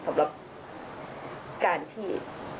สำหรับการที่